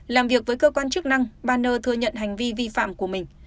làm việc với cơ quan chức năng bà n thừa nhận hành vi vi phạm của mình